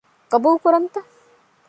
ގަބޫލުކުރަންތަ؟